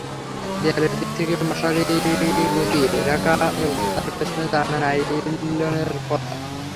দেয়ালের দিকে একটা মশারি গুটিয়ে রাখা, তার পেছনে জানালায় নাইলনের পর্দা।